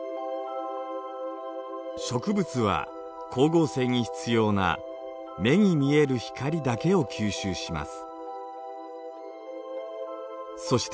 植物は光合成に必要な目に見える光だけを吸収します。